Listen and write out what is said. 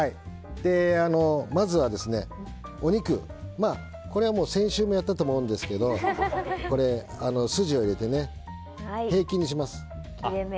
まずはお肉、これは先週もやったと思うんですが筋を入れて平均にします。